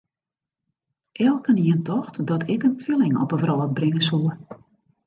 Elkenien tocht dat ik in twilling op 'e wrâld bringe soe.